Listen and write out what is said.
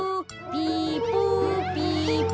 ピポピポ。